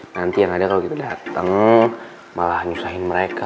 nanti yang lain kalo gitu dateng malah nyusahin mereka